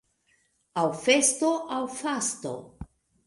Aŭ festo, aŭ fasto.